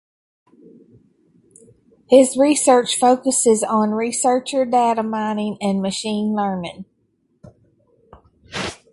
His research focuses on researcher data mining and machine learning.